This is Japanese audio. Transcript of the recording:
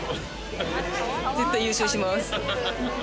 絶対優勝します！